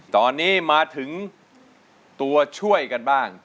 ตอนนี้มาถึงตัวช่วยกันบ้าง